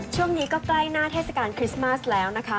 ช่วงนี้ก็ใกล้หน้าเทศกาลคริสต์มาสแล้วนะคะ